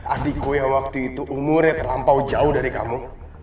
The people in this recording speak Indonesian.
adikku yang waktu itu umurnya terlampau jauh dari kamu